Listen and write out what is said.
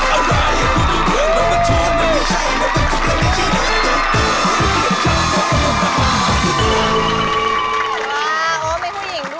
โอ้โฮมีผู้หญิงด้วย